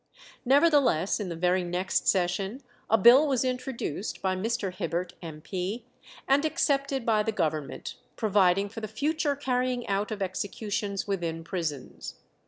Nevertheless, in the very next session a bill was introduced by Mr. Hibbert, M.P., and accepted by the Government, providing for the future carrying out of executions within prisons.